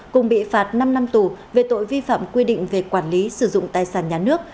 cùng bị phạt năm năm tù về tội vi phạm quy định về quản lý sử dụng tài sản nhà nước